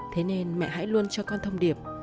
thế nên mẹ hãy luôn cho con thông điệp